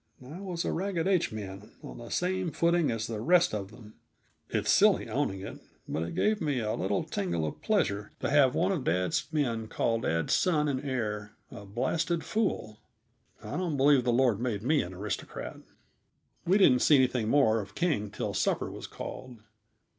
I was a "Ragged H man," on the same footing as the rest of them. It's silly owning it, but it gave me a little tingle of pleasure to have one of dad's men call dad's son and heir "a blasted fool." I don't believe the Lord made me an aristocrat. We didn't see anything more of King till supper was called.